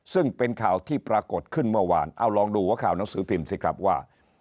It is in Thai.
ซึ่งเป็นข่าวที่ปรากฏขึ้นเมื่อวานเอาลองดูหัวข่าวหนังสือพิมพ์สิครับว่า